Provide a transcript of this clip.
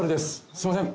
「すいません。